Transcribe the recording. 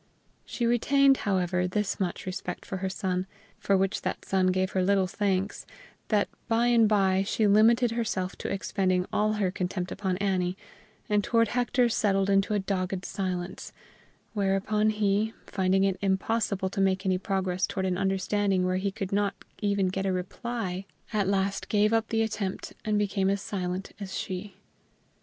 She retained, however, this much respect for her son, for which that son gave her little thanks, that by and by she limited herself to ex pending all her contempt upon Annie, and toward Hector settled into a dogged silence, where upon he, finding it impossible to make any progress toward an understanding where he could not even get a reply, at last gave up the attempt and became as silent as she.